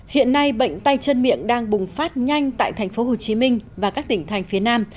hiện nay bệnh tay chân miệng đang bùng phát nhanh tại thành phố hồ chí minh và các tỉnh thành phía nam